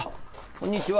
こんにちは。